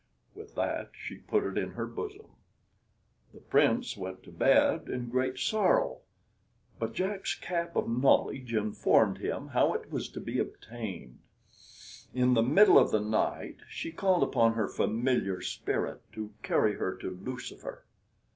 With that she put it in her bosom. The Prince went to bed in great sorrow, but Jack's cap of knowledge informed him how it was to be obtained. In the middle of the night she called upon her familiar spirit to carry her to Lucifer.